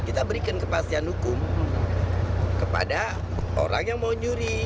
kita berikan kepastian hukum kepada orang yang mau nyuri